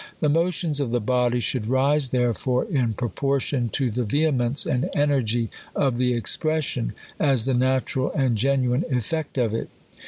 The motions of the body should rise therefore in proportion to the ve hemence and energy of the expression, as the natural and genuine effect of it.